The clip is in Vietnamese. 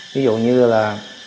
ví dụ như là